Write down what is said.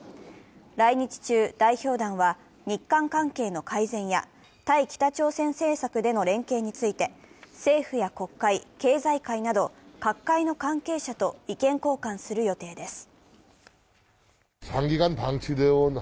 来日中、代表団は日韓関係の改善や対北朝鮮政策での連携について、政府や国会、経済界など各界の関係者と意見交換する予定です。